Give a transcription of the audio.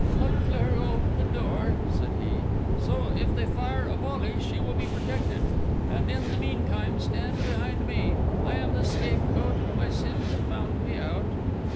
"Let Clara open the door," said he. "So, if they fire a volley, she will be protected. And in the meantime stand behind me. I am the scapegoat; my sins have found me out."